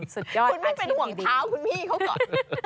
สุดยอดคุณไม่เป็นห่วงเท้าคุณพี่เขาก่อน